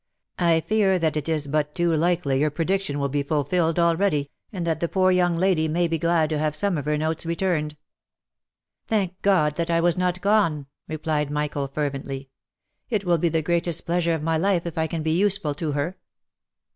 I fear that it is but too likely your prediction will be fulfilled already, and that the poor young lady may be glad to have some of her notes returned." " Thank God ! that I was not gone," replied Michael, fervently. " It will be the greatest pleasure of my life, if I can be useful to her